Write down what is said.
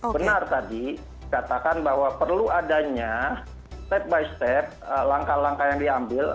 benar tadi katakan bahwa perlu adanya step by step langkah langkah yang diambil